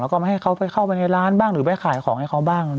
แล้วก็ไม่ให้เขาไปเข้าไปในร้านบ้างหรือไปขายของให้เขาบ้าง